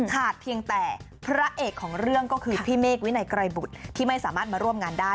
เพียงแต่พระเอกของเรื่องก็คือพี่เมฆวินัยไกรบุตรที่ไม่สามารถมาร่วมงานได้